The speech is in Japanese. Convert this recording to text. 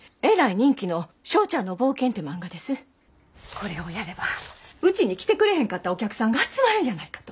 これをやればうちに来てくれへんかったお客さんが集まるんやないかと。